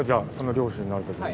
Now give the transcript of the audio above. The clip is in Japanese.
漁師になるために。